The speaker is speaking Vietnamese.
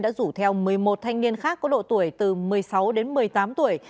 đã rủ theo một mươi một thanh niên khác có độ tuổi từ một mươi sáu đến một mươi tám tuổi